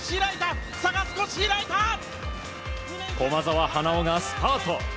駒澤、花尾がスタート。